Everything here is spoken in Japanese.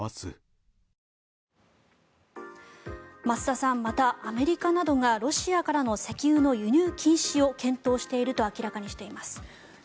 増田さんまたアメリカなどがロシアからの石油の輸入禁止を検討していると明らかにしています。